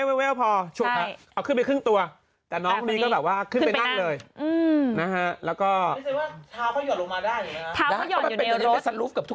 ท้าก็หย่อนอยู่ในรถถ้าเหลือคันทั้งทุกคนอีก